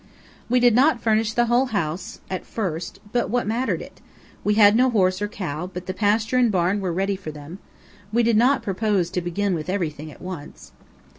We did not furnish the whole house at first, but what mattered it? We had no horse or cow, but the pasture and barn were ready for them. We did not propose to begin with everything at once.